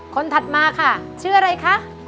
คนถัดมาค่ะเชื่ออะไรครับ